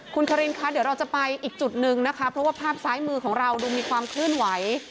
คุณคารินคะเดี๋ยวเราจะไปอีกจุดหนึ่งนะคะเพราะว่าภาพซ้ายมือของเราดูมีความเคลื่อนไหว